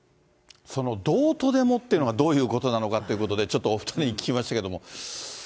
そのどうとでもというのがどういうことなのかということで、ちょっとお２人に聞きましたけれども。